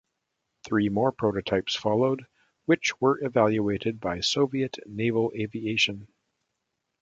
Three more prototypes followed, which were evaluated by Soviet Naval Aviation.